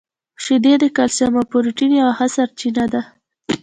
• شیدې د کلسیم او پروټین یوه ښه سرچینه ده.